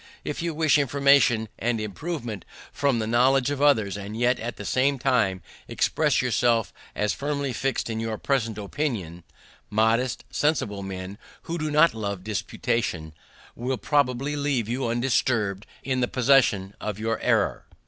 If you wish information and improvement from the knowledge of others, and yet at the same time express yourself as firmly fix'd in your present opinions, modest, sensible men, who do not love disputation, will probably leave you undisturbed in the possession of your error.